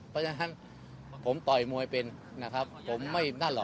เพราะฉะนั้นผมต่อยมวยเป็นนะครับผมไม่นั่นหรอก